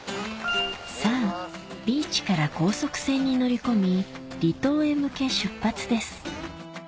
さぁビーチから高速船に乗り込み離島へ向け出発です